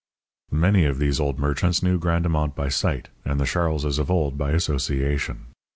Many of those old merchants knew Grandemont by sight, and the Charleses of old by association.